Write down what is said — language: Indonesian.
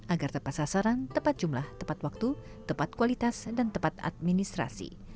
agar tepat sasaran tepat jumlah tepat waktu tepat kualitas dan tepat administrasi